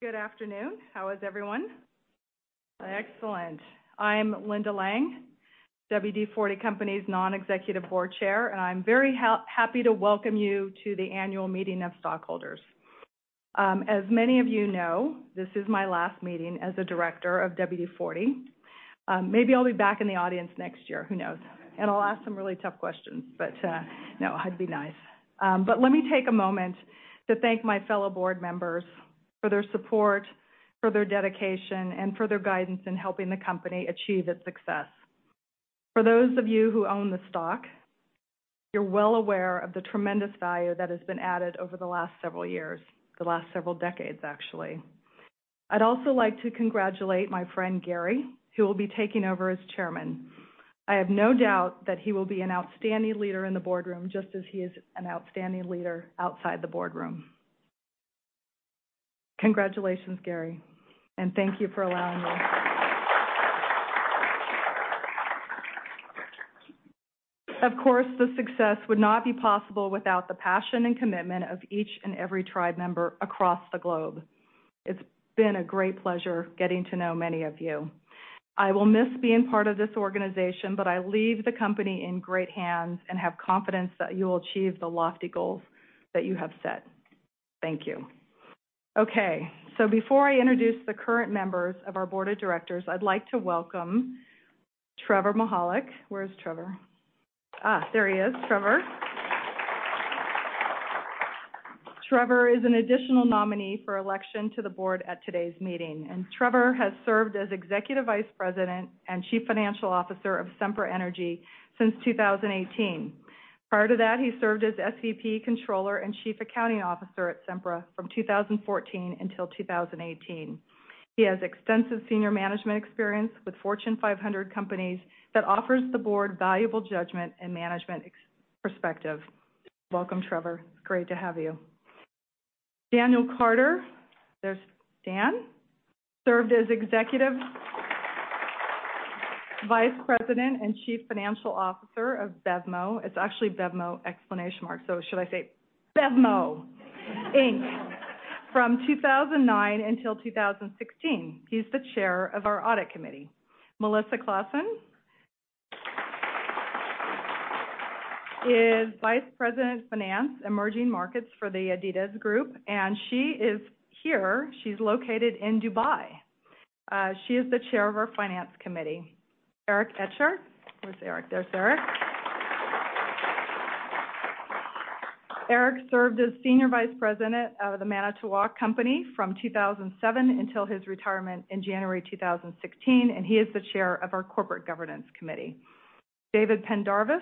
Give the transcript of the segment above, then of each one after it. Good afternoon. How is everyone? Excellent. I'm Linda Lang, WD-40 Company's non-executive board chair, I'm very happy to welcome you to the annual meeting of stockholders. As many of you know, this is my last meeting as a director of WD-40. Maybe I'll be back in the audience next year, who knows? I'll ask some really tough questions. No, I'd be nice. Let me take a moment to thank my fellow board members for their support, for their dedication, and for their guidance in helping the company achieve its success. For those of you who own the stock, you're well aware of the tremendous value that has been added over the last several years, the last several decades, actually. I'd also like to congratulate my friend Garry, who will be taking over as chairman. I have no doubt that he will be an outstanding leader in the boardroom, just as he is an outstanding leader outside the boardroom. Congratulations, Garry, and thank you for allowing me. Of course, the success would not be possible without the passion and commitment of each and every tribe member across the globe. It's been a great pleasure getting to know many of you. I will miss being part of this organization, but I leave the company in great hands and have confidence that you will achieve the lofty goals that you have set. Thank you. Okay, before I introduce the current members of our board of directors, I'd like to welcome Trevor Mihalik. Where's Trevor? There he is, Trevor. Trevor is an additional nominee for election to the board at today's meeting. Trevor has served as Executive Vice President and Chief Financial Officer of Sempra Energy since 2018. Prior to that, he served as SVP, Controller, and Chief Accounting Officer at Sempra from 2014 until 2018. He has extensive senior management experience with Fortune 500 companies that offers the board valuable judgment and management perspective. Welcome, Trevor. It's great to have you. Daniel Carter. There's Dan. Served as Executive Vice President and Chief Financial Officer of BevMo! It's actually BevMo! explanation mark, so should I say BevMo! Inc., from 2009 until 2016. He's the chair of our audit committee. Melissa Clausen is Vice President of Finance, Emerging Markets for the Adidas Group. She is here. She's located in Dubai. She is the chair of our finance committee. Eric Etchart. Where's Eric? There's Eric. Eric served as Senior Vice President of The Manitowoc Company from 2007 until his retirement in January 2016, and he is the Chair of our Corporate Governance Committee. David Pendarvis.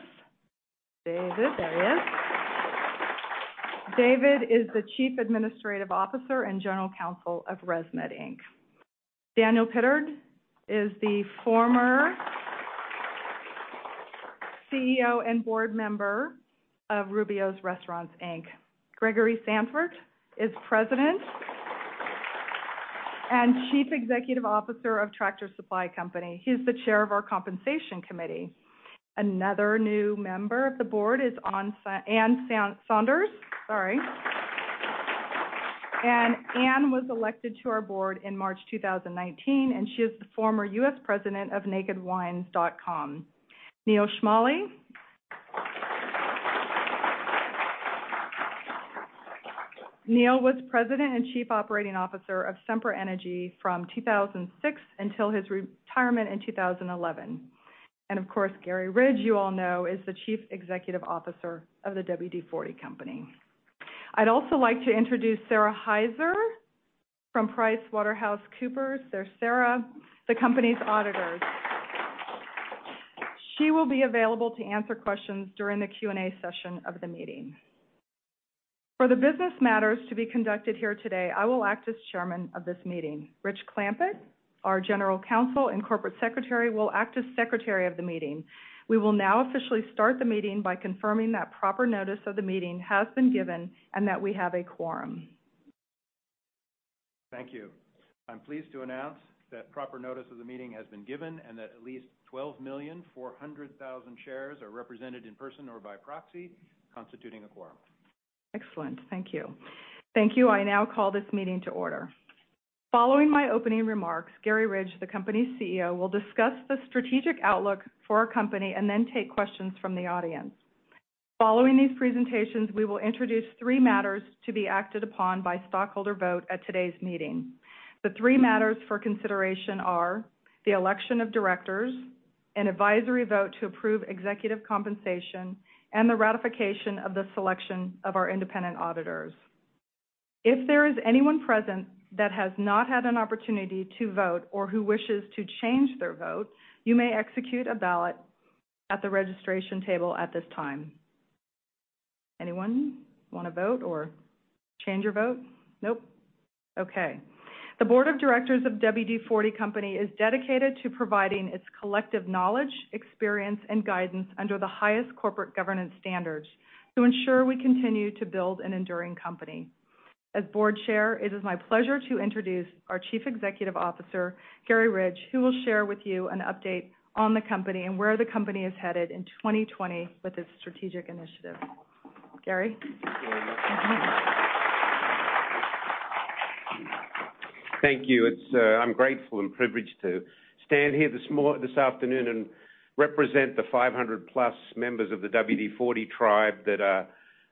David, there he is. David is the Chief Administrative Officer and General Counsel of ResMed Inc. Daniel Pittard is the former CEO and board member of Rubio's Restaurants, Inc. Gregory Sandfort is President and Chief Executive Officer of Tractor Supply Company. He's the Chair of our Compensation Committee. Another new member of the board is Anne Saunders. Anne was elected to our board in March 2019, and she is the former U.S. president of nakedwines.com. Neil Schmale. Neil was President and Chief Operating Officer of Sempra Energy from 2006 until his retirement in 2011. Of course, Garry Ridge, you all know, is the Chief Executive Officer of the WD-40 Company. I'd also like to introduce Sara Hyzer from PricewaterhouseCoopers. There's Sara, the company's auditors. She will be available to answer questions during the Q&A session of the meeting. For the business matters to be conducted here today, I will act as chairman of this meeting. Rich Clampitt, our general counsel and corporate secretary, will act as secretary of the meeting. We will now officially start the meeting by confirming that proper notice of the meeting has been given and that we have a quorum. Thank you. I'm pleased to announce that proper notice of the meeting has been given and that at least 12,400,000 shares are represented in person or by proxy, constituting a quorum. Excellent. Thank you. Thank you. I now call this meeting to order. Following my opening remarks, Garry Ridge, the company's CEO, will discuss the strategic outlook for our company and then take questions from the audience. Following these presentations, we will introduce three matters to be acted upon by stockholder vote at today's meeting. The three matters for consideration are the election of directors, an advisory vote to approve executive compensation, and the ratification of the selection of our independent auditors. If there is anyone present that has not had an opportunity to vote or who wishes to change their vote, you may execute a ballot at the registration table at this time. Anyone want to vote or change your vote? Nope. Okay. The board of directors of WD-40 Company is dedicated to providing its collective knowledge, experience, and guidance under the highest corporate governance standards to ensure we continue to build an enduring company. As board chair, it is my pleasure to introduce our Chief Executive Officer, Garry Ridge, who will share with you an update on the company and where the company is headed in 2020 with its strategic initiative. Garry? Thank you. I'm grateful and privileged to stand here this afternoon and represent the 500-plus members of the WD-40 tribe that are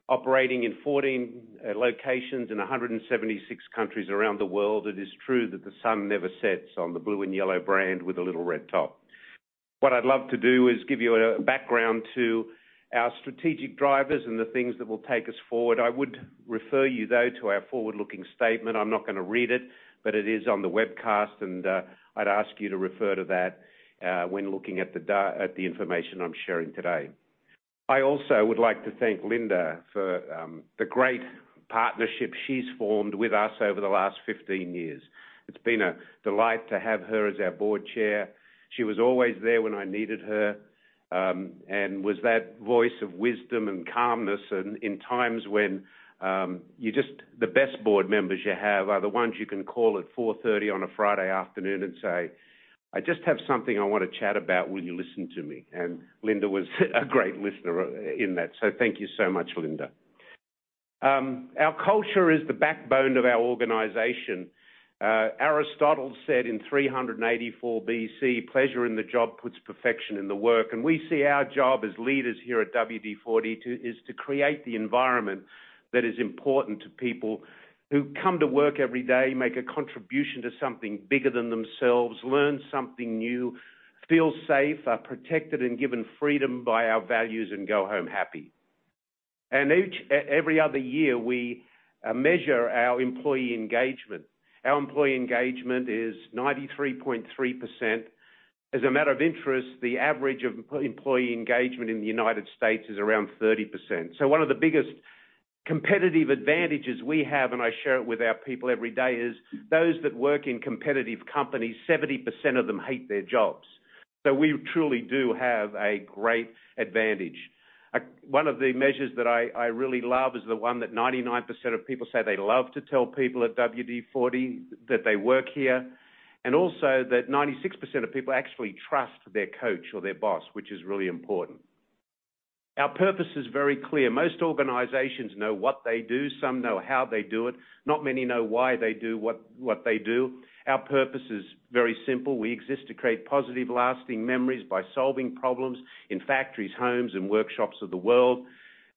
operating in 14 locations in 176 countries around the world. It is true that the sun never sets on the blue and yellow brand with a little red top. What I'd love to do is give you a background to our strategic drivers and the things that will take us forward. I would refer you, though, to our forward-looking statement. I'm not going to read it, but it is on the webcast, and I'd ask you to refer to that when looking at the information I'm sharing today. I also would like to thank Linda for the great partnership she's formed with us over the last 15 years. It's been a delight to have her as our Board Chair. She was always there when I needed her and was that voice of wisdom and calmness in times when the best board members you have are the ones you can call at 4:30 on a Friday afternoon and say, "I just have something I want to chat about. Will you listen to me?" Linda was a great listener in that. Thank you so much, Linda. Our culture is the backbone of our organization. Aristotle said in 384 BC, "Pleasure in the job puts perfection in the work." We see our job as leaders here at WD-40 Company is to create the environment that is important to people who come to work every day, make a contribution to something bigger than themselves, learn something new, feel safe, are protected and given freedom by our values, and go home happy. Every other year, we measure our employee engagement. Our employee engagement is 93.3%. As a matter of interest, the average of employee engagement in the U.S. is around 30%. One of the biggest competitive advantages we have, and I share it with our people every day, is those that work in competitive companies, 70% of them hate their jobs. We truly do have a great advantage. One of the measures that I really love is the one that 99% of people say they love to tell people at WD-40 that they work here, and also that 96% of people actually trust their coach or their boss, which is really important. Our purpose is very clear. Most organizations know what they do. Some know how they do it. Not many know why they do what they do. Our purpose is very simple. We exist to create positive, lasting memories by solving problems in factories, homes, and workshops of the world.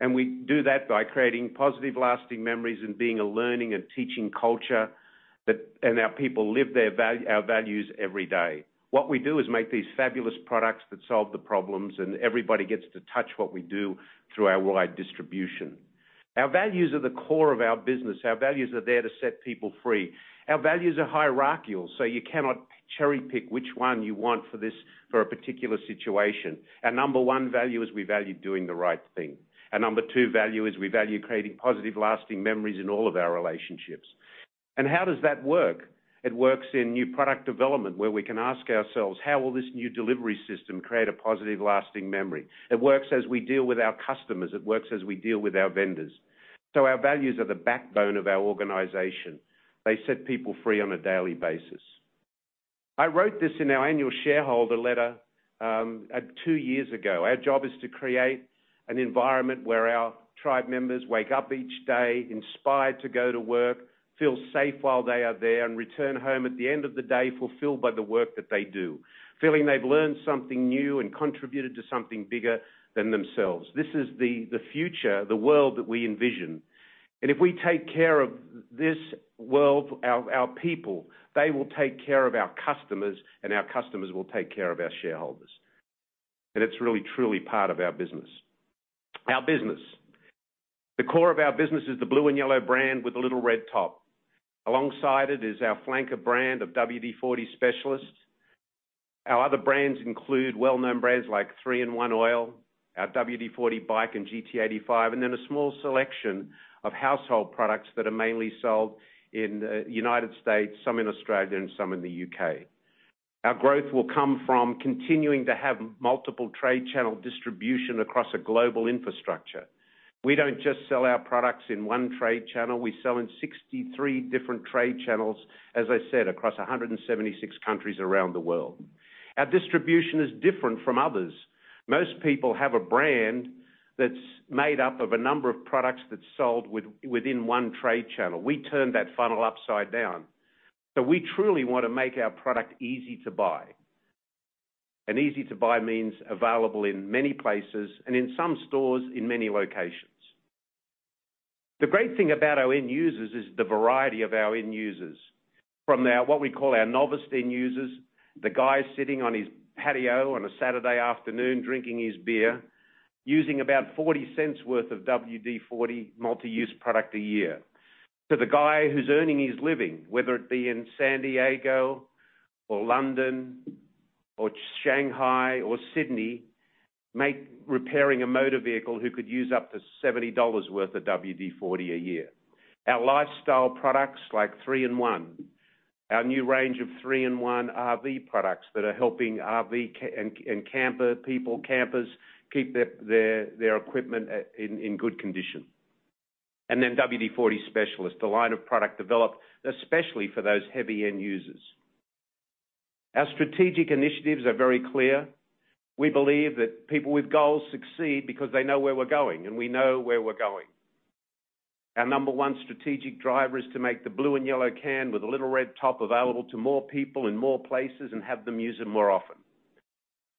We do that by creating positive, lasting memories and being a learning and teaching culture, and our people live our values every day. What we do is make these fabulous products that solve the problems, and everybody gets to touch what we do through our wide distribution. Our values are the core of our business. Our values are there to set people free. Our values are hierarchical, so you cannot cherry-pick which one you want for a particular situation. Our number 1 value is we value doing the right thing. Our number 2 value is we value creating positive, lasting memories in all of our relationships. How does that work? It works in new product development, where we can ask ourselves, "How will this new delivery system create a positive, lasting memory?" It works as we deal with our customers. It works as we deal with our vendors. Our values are the backbone of our organization. They set people free on a daily basis. I wrote this in our annual shareholder letter two years ago. Our job is to create an environment where our tribe members wake up each day inspired to go to work, feel safe while they are there, and return home at the end of the day fulfilled by the work that they do, feeling they've learned something new and contributed to something bigger than themselves. This is the future, the world that we envision. If we take care of this world, our people, they will take care of our customers, and our customers will take care of our shareholders. It's really, truly part of our business. Our business. The core of our business is the blue and yellow brand with a little red top. Alongside it is our flanker brand of WD-40 Specialist. Our other brands include well-known brands like 3-IN-ONE Oil, our WD-40 BIKE and GT85, and then a small selection of household products that are mainly sold in the U.S., some in Australia, and some in the U.K. Our growth will come from continuing to have multiple trade channel distribution across a global infrastructure. We don't just sell our products in one trade channel. We sell in 63 different trade channels, as I said, across 176 countries around the world. Our distribution is different from others. Most people have a brand that's made up of a number of products that's sold within one trade channel. We turn that funnel upside down. We truly want to make our product easy to buy. Easy to buy means available in many places and in some stores in many locations. The great thing about our end users is the variety of our end users. From what we call our novice end users, the guy sitting on his patio on a Saturday afternoon drinking his beer, using about $0.40 worth of WD-40 Multi-Use Product a year, to the guy who's earning his living, whether it be in San Diego or London or Shanghai or Sydney, repairing a motor vehicle who could use up to $70 worth of WD-40 a year. Our lifestyle products like 3-IN-ONE, our new range of 3-IN-ONE RVcare products that are helping RV and camper people, campers keep their equipment in good condition. WD-40 Specialist, a line of product developed especially for those heavy-end users. Our strategic initiatives are very clear. We believe that people with goals succeed because they know where we're going, and we know where we're going. Our number 1 strategic driver is to make the blue and yellow can with a little red top available to more people in more places and have them use it more often.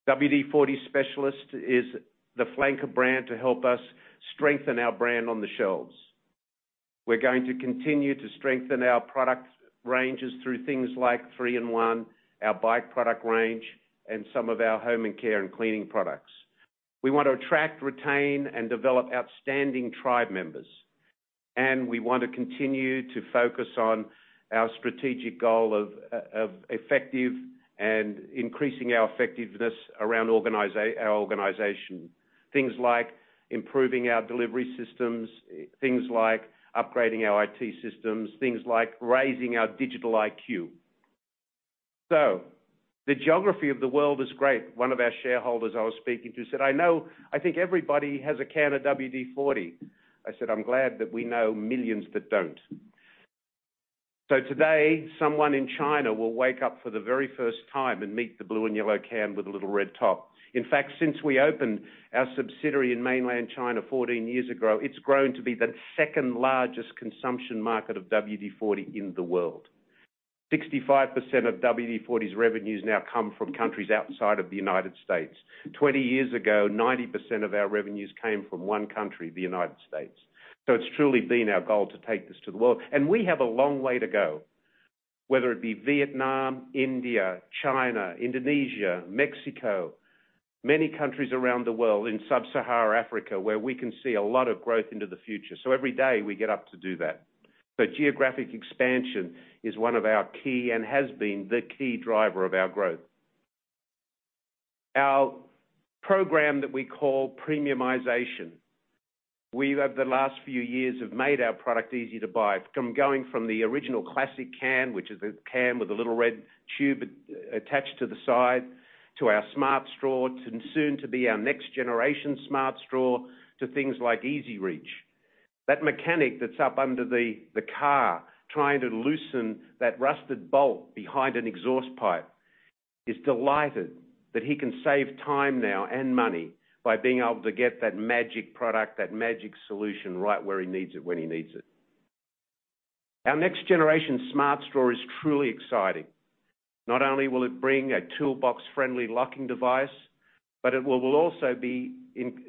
WD-40 Specialist is the flanker brand to help us strengthen our brand on the shelves. We're going to continue to strengthen our product ranges through things like 3-IN-ONE, our WD-40 BIKE product range, and some of our home and care and cleaning products. We want to attract, retain, and develop outstanding tribe members, and we want to continue to focus on our strategic goal of effective and increasing our effectiveness around our organization. Things like improving our delivery systems, things like upgrading our IT systems, things like raising our digital IQ. The geography of the world is great. One of our shareholders I was speaking to said, "I know. I think everybody has a can of WD-40." I said, "I'm glad that we know millions that don't." Today, someone in China will wake up for the very first time and meet the blue and yellow can with a little red top. In fact, since we opened our subsidiary in mainland China 14 years ago, it's grown to be the second-largest consumption market of WD-40 in the world. 65% of WD-40's revenues now come from countries outside of the U.S. 20 years ago, 90% of our revenues came from one country, the U.S. It's truly been our goal to take this to the world. We have a long way to go, whether it be Vietnam, India, China, Indonesia, Mexico, many countries around the world in sub-Saharan Africa, where we can see a lot of growth into the future. Every day we get up to do that. Geographic expansion is one of our key and has been the key driver of our growth. Our program that we call premiumization. We, over the last few years, have made our product easy to buy from going from the original classic can, which is a can with a little red tube attached to the side, to our Smart Straw, to soon to be our next generation Smart Straw, to things like EZ-REACH. That mechanic that's up under the car trying to loosen that rusted bolt behind an exhaust pipe is delighted that he can save time now and money by being able to get that magic product, that magic solution, right where he needs it, when he needs it. Our next generation Smart Straw is truly exciting. Not only will it bring a toolbox-friendly locking device, but it will also be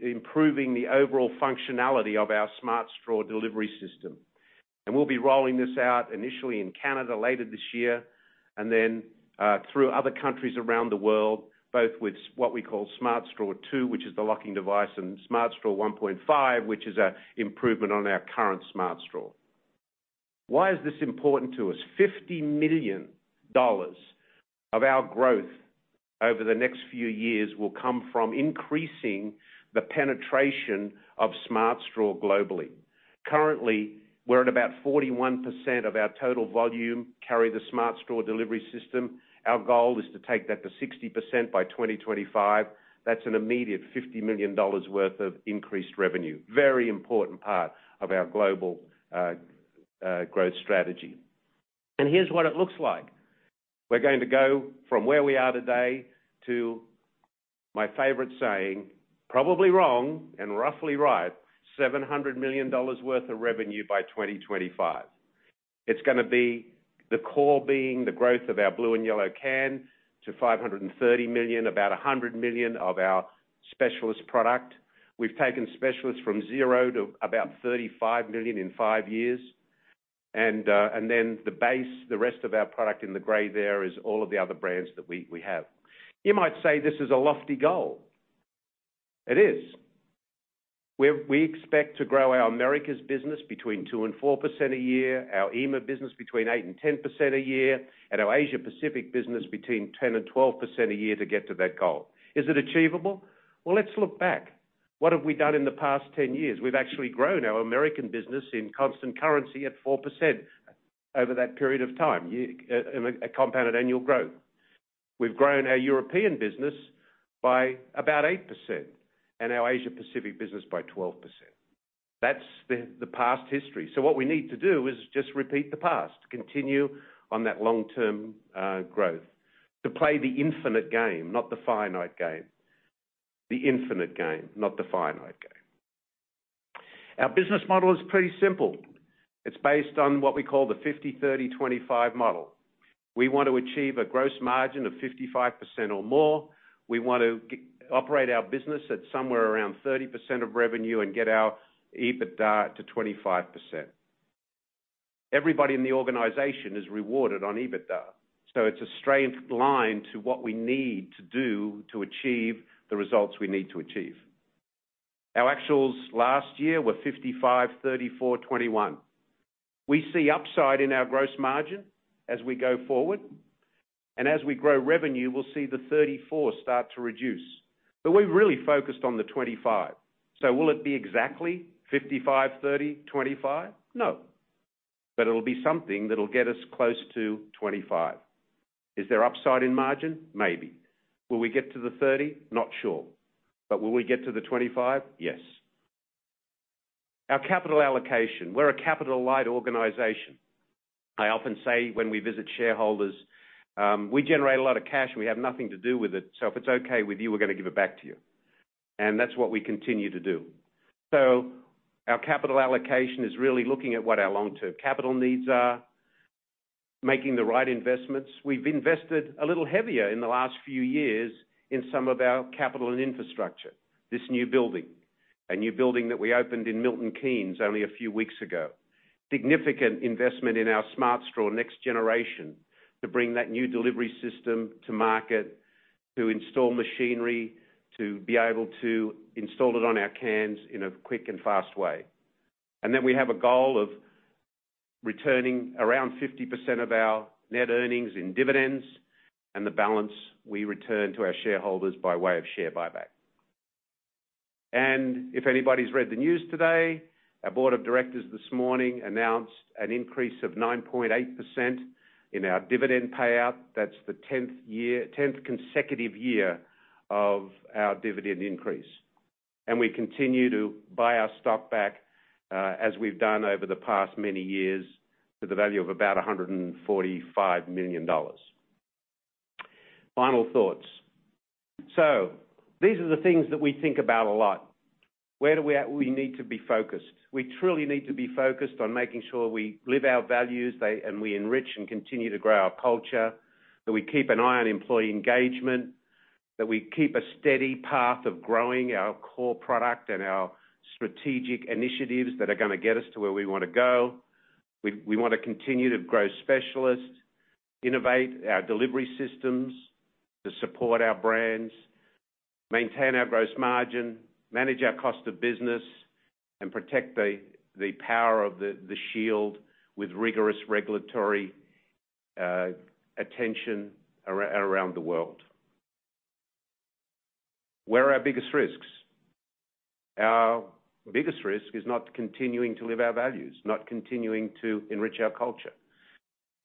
improving the overall functionality of our Smart Straw delivery system. We'll be rolling this out initially in Canada later this year, and then through other countries around the world, both with what we call Smart Straw 2.0, which is the locking device, and Smart Straw 1.5, which is an improvement on our current Smart Straw. Why is this important to us? $50 million of our growth over the next few years will come from increasing the penetration of Smart Straw globally. Currently, we're at about 41% of our total volume carry the Smart Straw delivery system. Our goal is to take that to 60% by 2025. That's an immediate $50 million worth of increased revenue. Very important part of our global growth strategy. Here's what it looks like. We're going to go from where we are today to my favorite saying, probably wrong and roughly right, $700 million worth of revenue by 2025. It's going to be the core being the growth of our blue and yellow can to $530 million, about $100 million of our Specialist product. We've taken Specialist from 0 to about $35 million in five years. The base, the rest of our product in the gray there, is all of the other brands that we have. You might say this is a lofty goal. It is. We expect to grow our Americas business between 2% and 4% a year, our EMEA business between 8% and 10% a year, and our Asia Pacific business between 10% and 12% a year to get to that goal. Is it achievable? Well, let's look back. What have we done in the past 10 years? We've actually grown our Americas business in constant currency at 4% over that period of time, a compounded annual growth. We've grown our European business by about 8% and our Asia Pacific business by 12%. That's the past history. What we need to do is just repeat the past, continue on that long-term growth, to play the infinite game, not the finite game. The infinite game, not the finite game. Our business model is pretty simple. It's based on what we call the 50-30-25 model. We want to achieve a gross margin of 55% or more. We want to operate our business at somewhere around 30% of revenue and get our EBITDA to 25%. Everybody in the organization is rewarded on EBITDA, so it's a straight line to what we need to do to achieve the results we need to achieve. Our actuals last year were 55%, 34%, 21%. We see upside in our gross margin as we go forward, and as we grow revenue, we'll see the 34% start to reduce. We've really focused on the 25%. Will it be exactly 55%, 30%, 25%? No, but it'll be something that'll get us close to 25%. Is there upside in margin? Maybe. Will we get to the 30%? Not sure. Will we get to the 25%? Yes. Our capital allocation. We're a capital-light organization. I often say when we visit shareholders, "We generate a lot of cash, and we have nothing to do with it, so if it's okay with you, we're going to give it back to you." That's what we continue to do. Our capital allocation is really looking at what our long-term capital needs are, making the right investments. We've invested a little heavier in the last few years in some of our capital and infrastructure, this new building, a new building that we opened in Milton Keynes only a few weeks ago, significant investment in our Smart Straw next generation to bring that new delivery system to market, to install machinery, to be able to install it on our cans in a quick and fast way. We have a goal of returning around 50% of our net earnings in dividends, and the balance, we return to our shareholders by way of share buyback. If anybody's read the news today, our board of directors this morning announced an increase of 9.8% in our dividend payout. That's the 10th consecutive year of our dividend increase. We continue to buy our stock back, as we've done over the past many years, to the value of about $145 million. Final thoughts. These are the things that we think about a lot. Where do we need to be focused? We truly need to be focused on making sure we live our values and we enrich and continue to grow our culture, that we keep an eye on employee engagement, that we keep a steady path of growing our core product and our strategic initiatives that are going to get us to where we want to go. We want to continue to grow specialists, innovate our delivery systems to support our brands, maintain our gross margin, manage our cost of business, and protect the power of the shield with rigorous regulatory attention around the world. Where are our biggest risks? Our biggest risk is not continuing to live our values, not continuing to enrich our culture.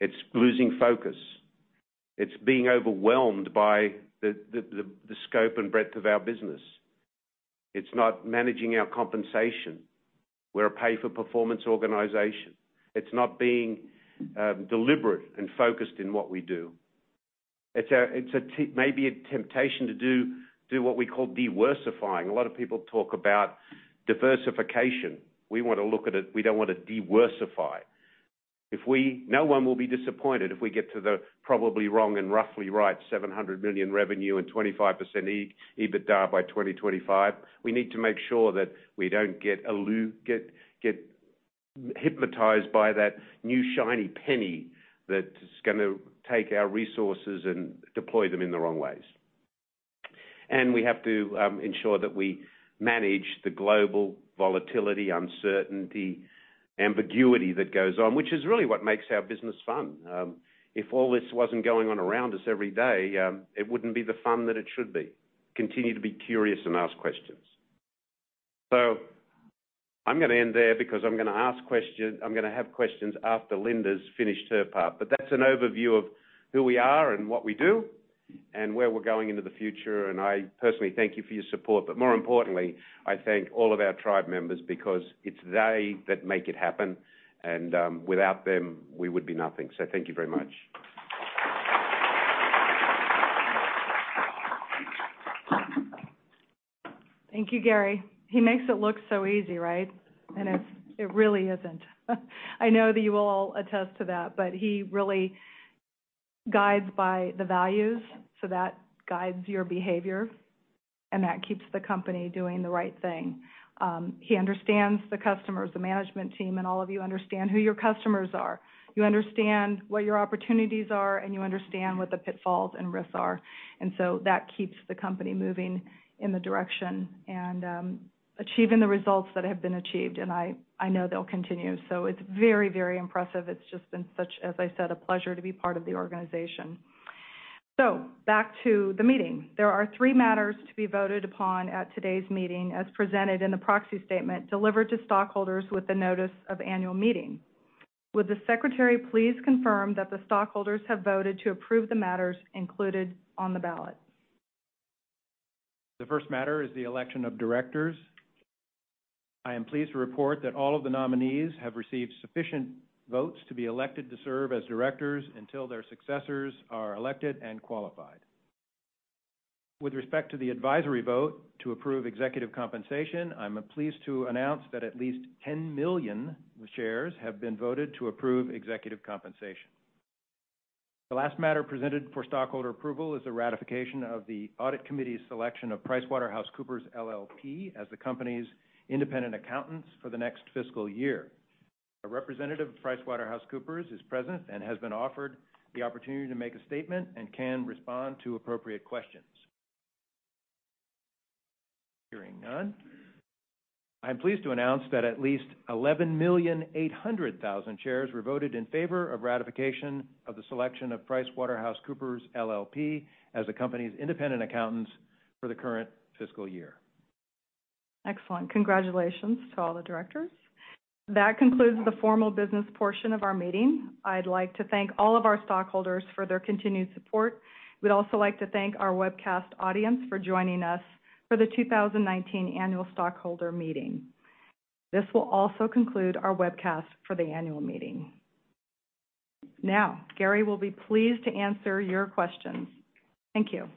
It's losing focus. It's being overwhelmed by the scope and breadth of our business. It's not managing our compensation. We're a pay-for-performance organization. It's not being deliberate and focused in what we do. It's maybe a temptation to do what we call de-worsifying. A lot of people talk about diversification. We want to look at it, we don't want to de-worsify. No one will be disappointed if we get to the probably wrong and roughly right $700 million revenue and 25% EBITDA by 2025. We need to make sure that we don't get hypnotized by that new shiny penny that's going to take our resources and deploy them in the wrong ways. We have to ensure that we manage the global volatility, uncertainty, ambiguity that goes on, which is really what makes our business fun. If all this wasn't going on around us every day, it wouldn't be the fun that it should be. Continue to be curious and ask questions. I'm going to end there because I'm going to have questions after Linda's finished her part. That's an overview of who we are and what we do and where we're going into the future, and I personally thank you for your support. More importantly, I thank all of our tribe members because it's they that make it happen, and without them, we would be nothing. Thank you very much. Thank you, Garry. He makes it look so easy, right? It really isn't. I know that you all attest to that, but he really guides by the values, so that guides your behavior, and that keeps the company doing the right thing. He understands the customers, the management team, and all of you understand who your customers are. You understand what your opportunities are, and you understand what the pitfalls and risks are. That keeps the company moving in the direction and achieving the results that have been achieved, and I know they'll continue. It's very impressive. It's just been such, as I said, a pleasure to be part of the organization. Back to the meeting. There are three matters to be voted upon at today's meeting as presented in the proxy statement delivered to stockholders with the notice of annual meeting. Would the secretary please confirm that the stockholders have voted to approve the matters included on the ballot? The first matter is the election of directors. I am pleased to report that all of the nominees have received sufficient votes to be elected to serve as directors until their successors are elected and qualified. With respect to the advisory vote to approve executive compensation, I'm pleased to announce that at least 10 million shares have been voted to approve executive compensation. The last matter presented for stockholder approval is a ratification of the audit committee's selection of PricewaterhouseCoopers LLP as the company's independent accountants for the next fiscal year. A representative of PricewaterhouseCoopers is present and has been offered the opportunity to make a statement and can respond to appropriate questions. Hearing none, I'm pleased to announce that at least 11,800,000 shares were voted in favor of ratification of the selection of PricewaterhouseCoopers LLP as the company's independent accountants for the current fiscal year. Excellent. Congratulations to all the directors. That concludes the formal business portion of our meeting. I'd like to thank all of our stockholders for their continued support. We'd also like to thank our webcast audience for joining us for the 2019 Annual Stockholder Meeting. This will also conclude our webcast for the annual meeting. Now, Garry will be pleased to answer your questions. Thank you.